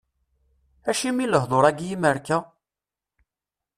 Acimi lehdur-agi imerka?